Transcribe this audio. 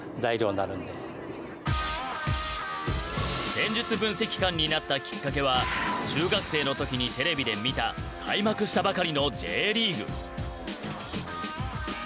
戦術分析官になったきっかけは中学生の時にテレビで見た開幕したばかりのＪリーグ。